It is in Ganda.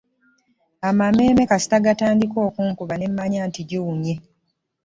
Amameeme kasita gaatandise okunkuba ne mmanya nti giwunye.